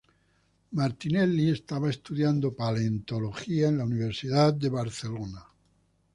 Martinelli estaba estudiando paleontología en la Universidad de Barcelona.